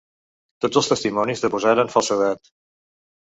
Tots els testimonis deposaren falsedat.